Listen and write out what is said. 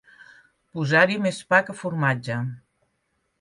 Posar-hi més pa que formatge.